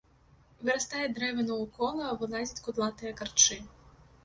Вырастаюць дрэвы наўкола, вылазяць кудлатыя карчы.